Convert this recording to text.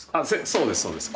そうですそうです。